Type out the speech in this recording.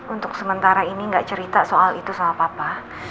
untuk sementara ini gak cerita soal itu sama papa